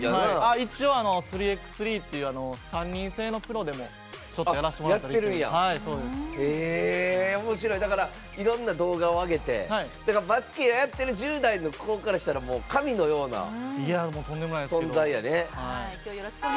一応、３ｘ３っていう３人制のプロでもちょっとやらせてもらったり。だからいろんな動画を上げてバスケやってる１０代の子からしたらもう神のような存在やね。